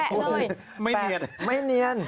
แปะเลยไม่เนียน